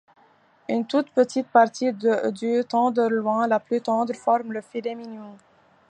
Une toute petite partie du tenderloin, la plus tendre, forme le filet mignon.